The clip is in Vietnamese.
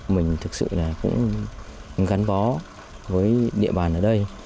mình thực sự là cũng gắn bó với địa bàn ở đây